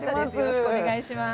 よろしくお願いします。